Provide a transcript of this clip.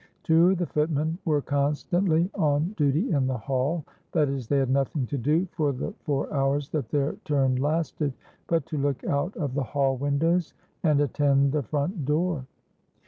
Two of the footmen were constantly on duty in the hall, that is, they had nothing to do for the four hours that their turn lasted, but to look out of the hall windows, and attend the front door.